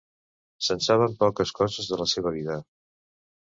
Se'n saben poques coses de la seva vida.